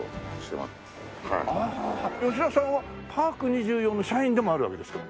吉田さんはパーク２４の社員でもあるわけですか？